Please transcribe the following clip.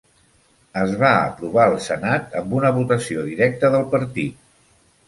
Es va aprovar al Senat amb una votació directa del partit.